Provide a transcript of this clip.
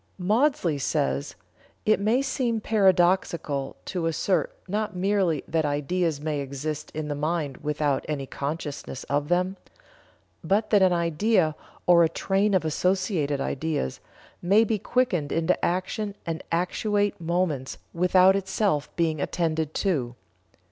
Maudsley says: "It may seem paradoxical to assert not merely that ideas may exist in the mind without any consciousness of them, but that an idea, or a train of associated ideas, may be quickened into action and actuate movements without itself being attended to.